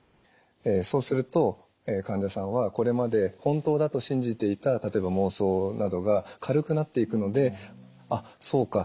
そうすると患者さんはこれまで本当だと信じていた例えば妄想などが軽くなっていくので「あっそうか。